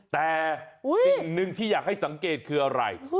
แต่สิ่งหนึ่งที่อยากให้สังเกตคืออะไร